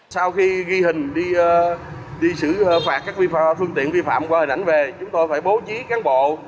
sau khi ghi hình đi xử phạt các phương tiện vi phạm qua hình ảnh về chúng tôi phải bố trí cán bộ